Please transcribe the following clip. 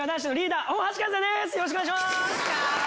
よろしくお願いします。